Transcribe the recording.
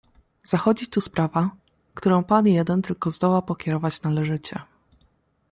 "Zachodzi tu sprawa, którą pan jeden tylko zdoła pokierować należycie."